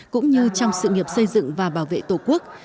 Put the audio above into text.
cũng như trong sự nghiệp xây dựng và bảo vệ tổ quốc